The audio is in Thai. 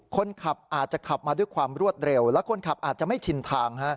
คนขับอาจจะขับมาด้วยความรวดเร็วและคนขับอาจจะไม่ชินทาง